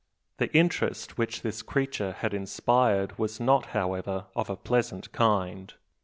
The interest which this creature had inspired was not, however, of a pleasant kind.